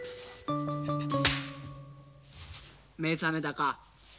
目覚めたか。